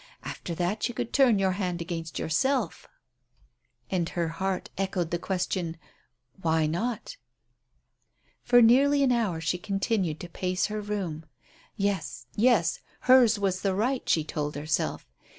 After that you could turn your hand against yourself." And her heart echoed the question, "Why not?" For nearly an hour she continued to pace her room. Yes, yes! Hers was the right, she told herself.